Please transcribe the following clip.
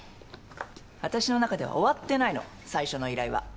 私の中では終わってないの最初の依頼は。